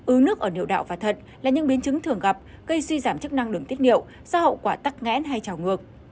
ưu nước ở niệu đạo và thật là những biến chứng thường gặp gây suy giảm chức năng đường tiết niệu do hậu quả tắc ngẽn hay trào ngược